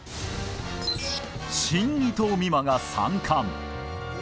新伊藤美誠が３冠。